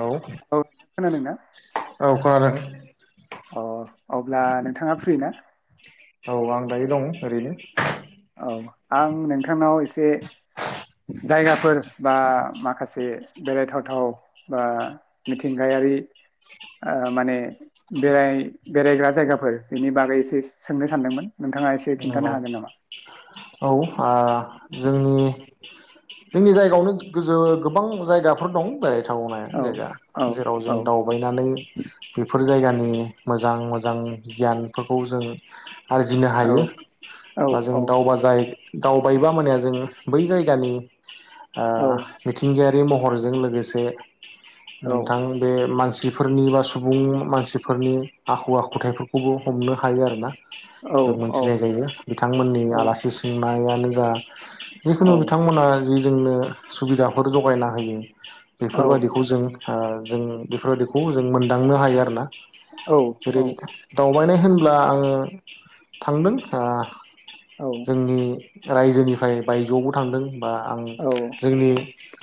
औ नोंथां खोनादोंना औ खानादों। अ। अब्ला नोंथाङा फ्रि ना? औ आं दायो दं। औ आं नोंथांनाव एसे से जायगाफोर बा माखासे बेरायथावथाव बा मिथिंगायारि माने बेराय बेरायग्रा जायगाफोर बेनि बागै एसे सोंनो सानदोंमोन। नोंथाङा एसे खिन्था? औ ओरैनो ओ जोंनि जोंनि जायगायावनो गोजो गोबां जायगाफोर दं ज थावनाय औ जायगा औ जेराव जों औ दावबायनानै बेफोर जायगानि मोजां मोजां गियानफोरखौ जों आरजिनो औ हायो। औ बा जों दावबा जायो दावबायायोबा माने जों बै जायगानि औ मिथिंगायारि। बे महरजों लोगोसे औ नोंथां बे मानसि मानसिफोरनि बा सुबुं मानसिफोरनि आखु आखुथायफोरखौबो हमनो हायो आरोना। औ अ। नाय जायो बिथांमोननि आलासि सोंनायानो जा औ जिखुनु बिथांमोना जि जोंनो सुबिदाफोर जगायना होयो बेफोरबादिखौ जों जों बेफोरबायदिखौ जों मोनदांनो हायो आरोना। औ जेरै औ दाउ बायनाय होनब्ला आङो थांदों आ जोंनि रायजोनिफ्राय बायजोआवबो थांदों बा आं जोंनि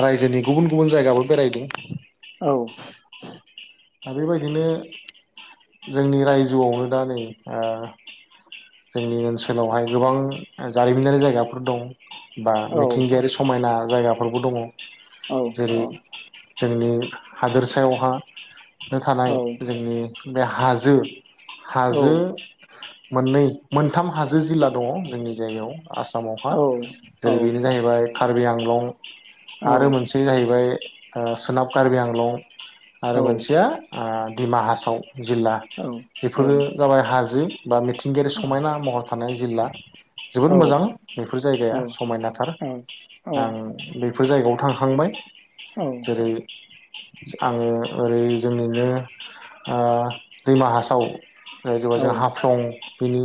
रायजोनि गुबुन गुबुन जायगायावबो बेरायदों। दा बेबायदिनो जोंनि रायजोआवनो दा नै ओ जोंनि ओनसोलावहाय गोबां जारिमिनारि जायगाफोर दं। बा मिथिंगायारि समायना जायगाफोरबो दङ औ जेरै जोंनि हादोरसायावहा नो औ थानाय औ जोंनि बे हाजो औ हाजो मोननै मोनथाम हाजो जिल्ला दङ जोंनि जायगायाव आसामावहा औ जेरै बेनो जाहैबाय कार्बि आंलं आरो मोनसे जाहैबाय सोनाब कार्बि आंलं औ आरो मोनसेया ओ दिमाहासाव जिल्ला औ औ बेफोरो जाबाय हाजो बा मिथिंगायारि समायना महर थानाय जिल्ला औ जोबोद मोजां बेफोर औ जायगाया समायनाथार औ औ आं बे बेफोर जायगायाव थांखांबाय। जेरै आंङो ओरै जोंनिनो ओ दैमाहासाव जायबा जों हाफ सं बिनि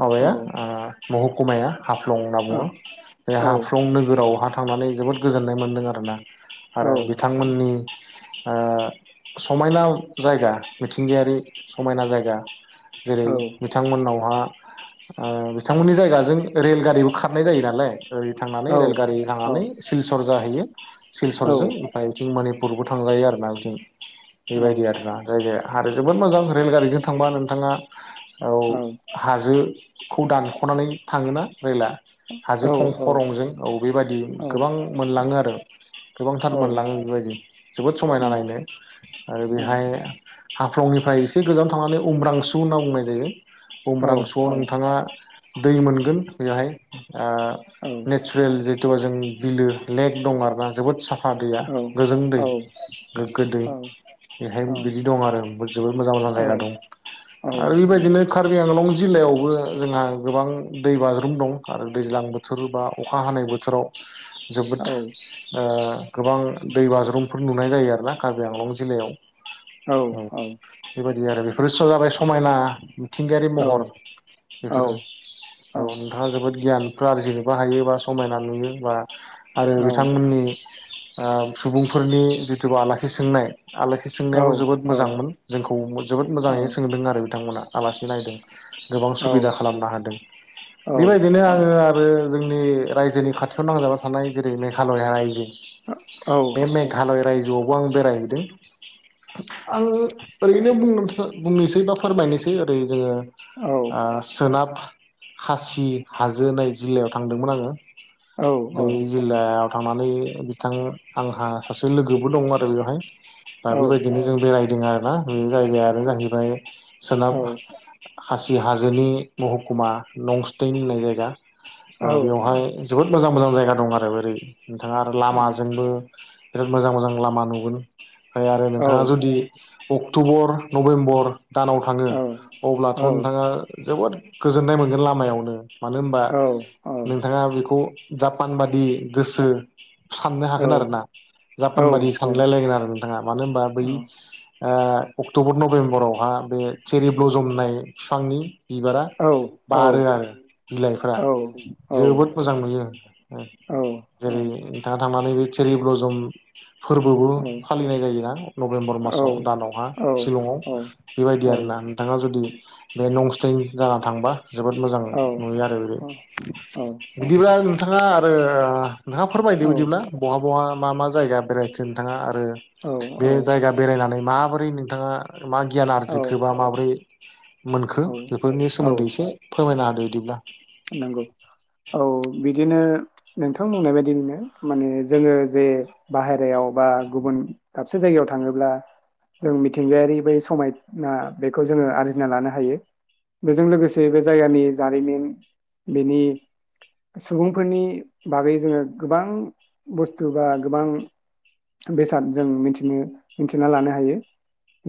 माबाया ओ महकुमाया हाफ्लं होनना बुङो बे हाफ्लं नोगोरावहा थांनानै जोबोद गोजोननाय मोन्दों आरो ना। आरो औ बिथांमोननि ओ समायना जायगा मिथिंगायारि समायना जायगा जेरै बिथांमोनावहा ओ बिथांमोननि जायगाजों रेलगारिबो खारनाय जायो नालाय। ओरै थांनानै रेलगारि थांनानै सिलसर जाहैयो सिलसरजों ओमफ्राय बिथिं मोनि पुरबो थांजायो आरोना बिथिं बेबायदि आरो ना जायगाया। आरो जोबोद मोजां रेलगारिजों थांबा नोंथाङा औ हाजो खौ दानखनानै थाङोना रेला हाजो खं खरंजों औ बेबायदि गोबां मोनलाङो आरो गोबांथार मोनलाङो बेबायदि जोबोद समायना नायनो आरो बेहाय खरंनिफ्राय एसे गोजानाव थांनानै उमब्रांसु [unintelligible] होनना बुंनाय जायो। उमब्रांसुआव नोंथाङा दै मोनगोन बेवहाय ओ नेचारेल जि हजों बिलो लेक दं आरोना जोबोद साफा - फा दैया गोजों दै गोग्गो दै बेहाय बिदि दं आरो जोबोद मोजां मोजां जायगा दं। बेफोरबायदिनो खारबि आंलं जिल्लायावबो जोंहा गोबां दै बाज्रुम दं आरो दैज्लां बोथोर बा अखा हानाय बोथोराव जोबोद ओ गोबां दै बाज्रुमफोर नुनाय जायो आरो ना कार्बि आंलं जिल्लायाव। औ औ। बिदि आरो बेफोरसो जाबाय समायना मिथिंगायारि महर बेफोरो औ नोंथाङा जोबोद गियानफोर आरजिनोबो हायो बा समायना नुयो बा आरो बिथांमोननि ओ सुबुंफोरनि जिसुबा आलासि सोंनाय आलासि सोंनायाबो जोबोद औ मोजांमोन जोंखौ जोबोद औ मोजाङै बिथांमोना आलासि नायदों। गोबां औ सुबिदा खालामनो हादों, औ बेबायदिनो औ आङो आरो। जोंनि रायजोनि खाथियाव नांजाबा थानाय जेरै- मेघालया रायजो औ बे मेघालय राइजोआव आं बेरायहैदों। आङो ओरैनो बुंनो बुंनोसै बा फोरमायनोसै ओरै जोङो औ आ सोनाब खासि हाजो होननाय जिल्लायाव थांदोंमोन आङो। औ [unintelligible] जिल्लाया थांनानै बिथां आंहा सासे लोगोबो दं आरो बेवहाय। दा औ बेबायदिनो जों बेराय यदों आरोना जायगाया आरो जा हैबाय सोनाब औ खाासि हाजोनि महकुमा नंस्टै होननाय जायगा। औ बेवहाय जोबोद मोजां मोजां जायगा दं आरो ओरै नोंथाङा आरो लामाजोंबो बिराद मोजां मोजां लामा नुगोन आरो नोंथाङा जुदि अक्ट'बर, नभेम्बर दानाव थाङो अब्लाथ' औ नोंथाङा जोबोद गोजोन्नाय मोनगोन लामायावनो, मानो होनबा? औ नोंथाङा बेखौ जापान बादि गोसो साननो हागोन आरो ना। जापान बादि सानलायलायगोन आरो नोंथाङा मानो होनबा बै आ अक्ट'बर, नभेम्बराव बहा बे चेरि ब्लजम होननाय बिफांनि बिबारा बारो आरो, बिलाइफ्रा जोबोद मोजां नुयो जेरै नोंथाङा थांनानै बै चेरि ब्लुजम फोरबोबो फालिनाय जायोना नभेम्बर मासाव दानावहा शिलंआव बेबायदि आरोना, नोंथाङा जुदि बे [unintelligible] जाना थांबा जोबोद मोजां नुयो आरो बे बिदिब्ला नों बा आरो नोंथाङा फोरमायदो बिदिब्ला बहा बहा मा मा जायगा बेरायखो नोंथाङा आ रो बे जायगा बेरायनानै माबोरै नोंथाङा मा गियान आरजिखोबा माबोरै मोनखो बेफोरनि सोमोन्दै एसे फोरमायना होदो बिदिब्ला नंगौ औ बिदिनो नोंथां बुंनाय बायदिनो माने जोङो जे बाहेरायाव बा गुबुन दाबसे जायगायाव थाङोब्ला जों मिथिंगायारि बै समायना बेखौ जोङो आरजिना लानो हायो बेजों लोगोसे बे जायगानि जारिमिन बेनि सुबुंफोरनि बागै जोङो गोबां बुस्थु बा गोबां बेसाद जों मिथिनो मिथिना लानो हायो।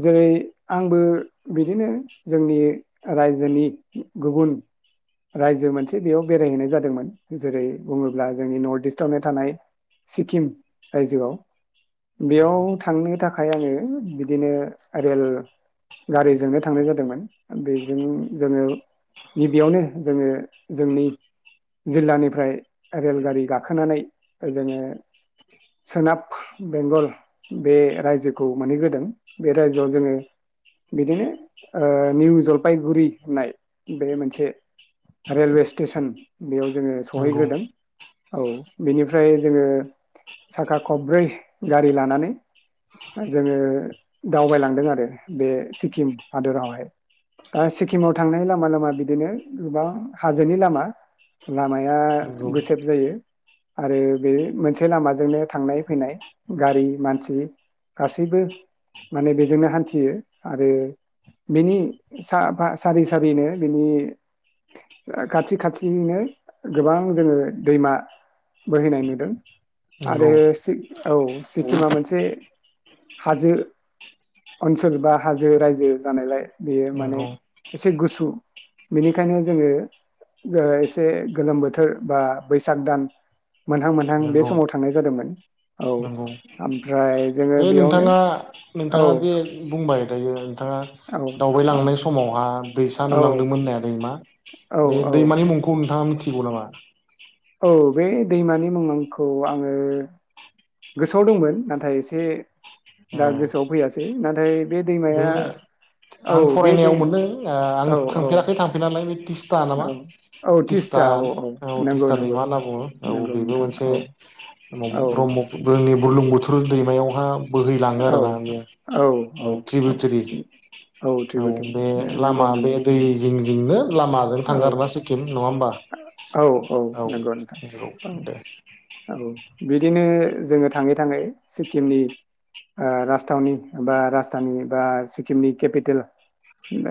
जेरै आंबो बिदिनो जोंनि रायजोनि गुबुन रायजो मोनसे बेयाव बेरायहैनाय जादोंमोन जेरै बुङोब्ला जोंनि नर्थ इस्टआवनो थानाय सिक्किम रायजोआव बेयाव नंगौ थांनो था खाय आङो बिदिनो रेल गारिजोंनो थांनाय जादोंमोन बेजों जोङो गिबियावनो जोङो जोंनि जिल्लानिफ्राय रेलगारि गाखोनानै जोङो सोनाब बेंगल बे रायजोखौ मोनहैग्रोदों बे रायजोआव जोङो बिदिनो ओ निउ जलफायगुरि होननाय बे मोनसे रेलवे स्टेसन बेयाव जोङो नंगौ सहैग्रोदों औ बेनिफ्राय जोङो साखा खबब्रै गारि लानानै जोङो दावबायलांदों आरो बे सिक्किम हादरावहाय दा सिक्किमाव थांनाय लामा लामा बिदिनो गोबां हाजोनि लामा लामाया नंगौ गुसेब जायो आरो बे मोनसे लामाजोंनो थांनाय फैनाय गारि मानसि गासैबो माने बेजोंनो हान्थियो आरो बिनि साफा सारि सारिनो बिनि खाथि खाथिनिनो गोबां जोङो दैमा बोहैनाय नुदों आरो नंगौ सि औ सिक्किमा मोनसे हाजो ओनसोल बा हाजो रायजो जानायलाय बेयो माने नंगौ एसे गुसु बेनि खायनो जोङो एसे गोलोम बोथोर बा बैसाग दान मोनहां मोनहां बे नंगौ समाव थांनाय जादोंमोन। औ नंगौ आ बे नोंथाङा औ नोंथाङा जे बुंबाय दायो नोंथाङा औ औ दावबायलांनाय समावहा दैसा औ नुलांदोंमोन होननाया दैमा औ बे औ दैमानि मुंखौ नोंथाङा मिथि गौ नामा औ बे दैमानि मुंखौ आङो गोसोआव दंमोन नाथाय एसे दा ए गोसोआव फैयासै नाथाय बे दैमाया बे औ आं बे दै फरायनायाव मोनदों ओ आं औ औ थांफेराखै थांफेरनायालाय बे तिस्था नामा औ औ तिस्टा तिस्था औ औ नंगौ तिस्टा नंगौ दैमा होनना बुङो औ नंगौ बेबो नोंथां मोनसे औ औ ब्रह्मफु जोंनि बुरलुंबुथुर दैमायावहा बोहैलाङो औ आरोना बे औ त्रिबुटरी औ बे नंगौ लामा बे नंगौ दै जिं जोंनो लामाजों औ थांगारबा सिक्किम नङा होनबा? औ औ नंगौ नोंथां नंगौ औ दे औ। बिदिनो जोङो थाङै थाङै सिक्किमनि ओ राजथावनि बा राजथानि बा सिक्किमनि केपिटेल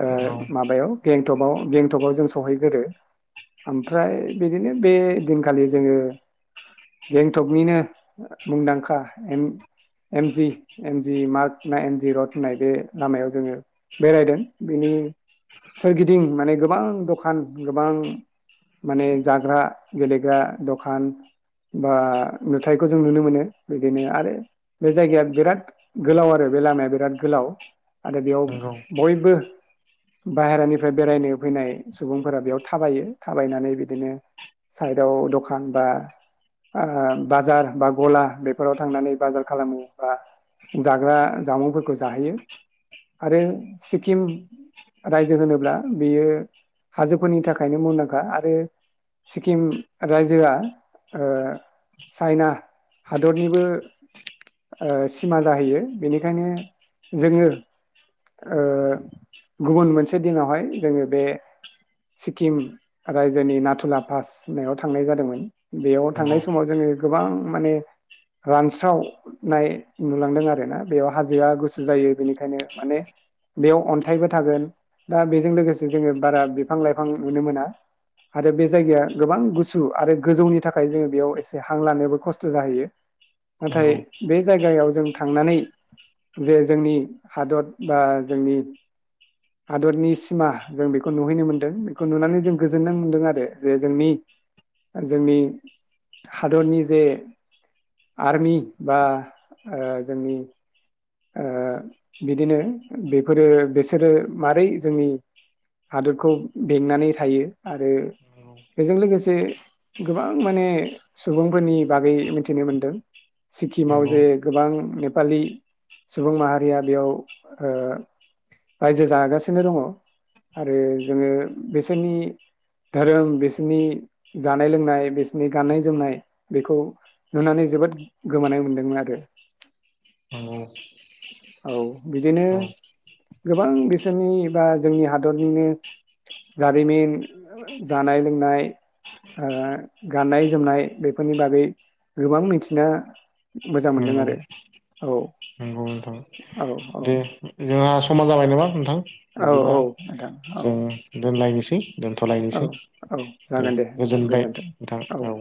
ओ नंगौ माबायाव गें टकआव गेंटकाव जों सहैग्रोयो। ओमफ्राय बिदिनो बे दिनखालि जोङो गेंटकनिनो मुंदांखा M M G M G mark ना एन जि रड होननाय बे लामायाव जोङो बेरायदों। बिनि सोरगिदिं माने गोबां दखान गोबां माने जाग्रा गेलेग्रा दखान बा नुथायखौ जों नुनो मोनो। बिदिनो आरो बे जायगाया बिराद गोलाव आरो बे लामाया बिराद गोलाव। आरो बेयाव नंगौ बयबो बाहेरानिफ्राय बेरायनो फैनाय सुबुंफोरा बेयाव थाबायो। थाबायनानै बिदिनो साइदआव दखान बा ओ बाजार बा गला बेफोराव थांनानै बाजार खालामो बा जाग्रा जामुंफोरखौ जाहैयो आरो सिक्किम रायजो होनोब्ला बियो हाजोफोरनि थाखायनो मुंदांखा आरो सिक्किम रायजोआ ओ चाइना हादरनिबो ओ सिमा जाहैयो बेनिखायनो जोङो गुबुन मोनसे दिनावहाय जोङो बे सिक्किम रायजोनि नाथुला पास होनाव थांनाय जादोंमोन बेयाव थांनाय नंगौ समाव जोङो गोबां माने रानस्रावनाय नुलांदों आरो ना। बेयाव हाजोआ गुसु जायो बेनिखायनो माने बेयाव अन्थाइबो थागोन। दा बेजों लोगोसे जोङो बारा बिफां लाइफां नुनो मोना आरो बे जायगाया गोबां गुसु आरो गोजौनि थाखाय जोङो बेयाव एसे हां लानोबो खस्थ' जाहैयो। नाथाय नंगौ नंगौ बे जायगायाव जों थांनानै जे जोंनि हादर बा जोंनि हादरनि सिमा जों बेखौ नुहैनो मोनदों बेखौ नुनानै जों गोजोननाय मोनदों आरो जे जोंनि जोंनि हादरनि जे आर्मि बा जोंनि बिदिनो बेफोरो बेसोरो मारै जोंनि हादरखौ बेंनानै थायो। आरो बेजों लोगोसे गोबां माने सुबुंफोरनि बागै मिथिनो मोनदों, सिक्किमाव जे नंगौ गोबां नेपालि सुबुं माहारिया बेयाव ओ रायजो जागासिनो दङ आरो जोङो बिसोरनि धोरोम, बिसोरनि जानाय लोंनाय, बिसोरनि गाननाय जोमनाय, बेखौ नुनानै जोबोद गोमानाय मोनदोंमोन आरो। औ औ बिदिनो गोबां बिसोरनि बा जोंनि हादरनिनो जारिमिन जानाय लोंनाय, ओ गाननाय जोमनाय बेफोरनि बागै गोबां मिथिना मोजां मोनदों नंगौ आरो औ। नंगौ नोंथां औ औ दे जोंहा समा जाबाय नामा नोंथां? औ बिदिबा औ नोंथां औ जों दोनलायनिसै [inaudible] औ दोनथ'लायनोसै। औ दे जागोन नोंथां गोजोनबाय गोजोन्थों नोंथां औ।